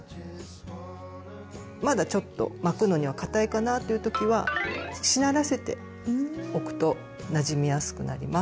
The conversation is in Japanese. まだちょっと巻くのにはかたいかなっていう時はしならせておくとなじみやすくなります。